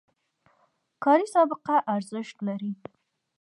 کاري سابقه ارزښت لري